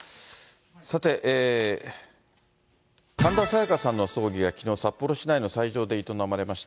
さて、神田沙也加さんの葬儀がきのう札幌市内の斎場で営まれました。